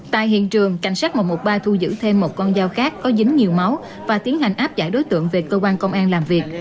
tại hiện trường cảnh sát một trăm một mươi ba thu giữ thêm một con dao khác có dính nhiều máu và tiến hành áp giải đối tượng về cơ quan công an làm việc